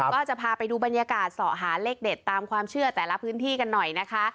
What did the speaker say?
ก็จะพาไปดูบรรยากาศสอหาเลขเด็ดตามความเชื่อแต่ละพื้นที่กันหน่อยนะคะ